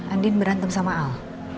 andin berantem sama al